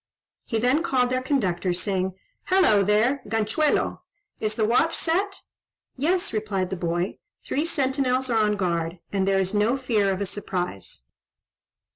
He then called their conductor, saying, "Hallo! there, Ganchuelo! Is the watch set?" "Yes," replied the boy; "three sentinels are on guard, and there is no fear of a surprise."